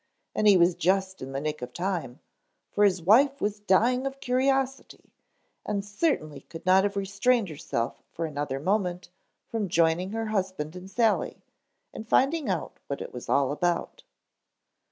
And he was just in the nick of time, for his wife was dying of curiosity and certainly could not have restrained herself for another moment from joining her husband and Sally and finding out what it was all about.